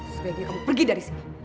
sebaiknya kamu pergi dari sini